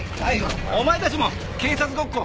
お前たちも警察ごっこ